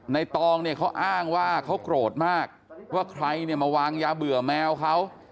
ในตองเขาอ้างว่าเขากรดมากว่าใครมาวางยาเบื่อแมวเขา